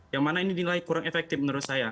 yang mana ini dinilai kurang efektif menurut saya